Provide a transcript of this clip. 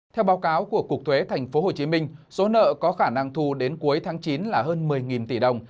theo báo cáo của cục thuế tp hcm số nợ có khả năng thu đến cuối tháng chín là hơn một mươi tỷ đồng